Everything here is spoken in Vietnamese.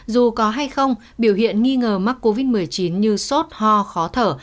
dù có hay không biểu hiện nghi ngờ mắc covid một mươi chín như sốt ho khó thở